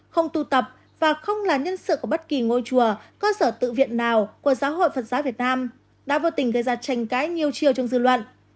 không tu tập và không là nhân sự của bất kỳ ngôi chùa cơ sở tự viện nào của giáo hội phật giáo việt nam đã vô tình gây ra tranh cãi nhiều chiều trong dư luận